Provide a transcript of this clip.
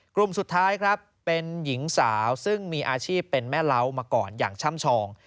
กลุ่มสุดท้ายครับเป็นหญิงสาวซึ่งมีอาชีพเป็นแม่เล้ามาก่อนอย่างช่ำชอง